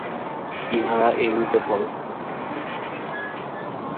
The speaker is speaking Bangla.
ইহারা এইরূপে পরস্পর-সম্বন্ধ হইয়া রহিয়াছে।